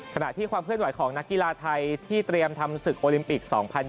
ขณะที่ความเคลื่อนไหวของนักกีฬาไทยที่เตรียมทำศึกโอลิมปิก๒๐๒๐